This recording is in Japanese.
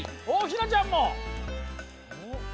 おおひなちゃんも！